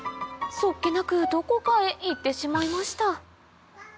素っ気なくどこかへ行ってしまいました